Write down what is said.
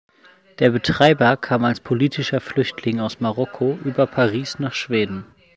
Der Betreiber kam als politischer Flüchtling aus Marokko über Paris nach Schweden.